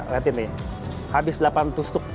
lihat ini habis delapan tusuk